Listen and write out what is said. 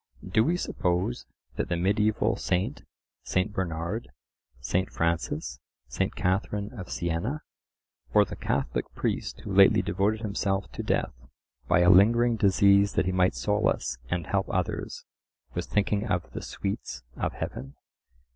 Do we suppose that the mediaeval saint, St. Bernard, St. Francis, St. Catharine of Sienna, or the Catholic priest who lately devoted himself to death by a lingering disease that he might solace and help others, was thinking of the "sweets" of heaven?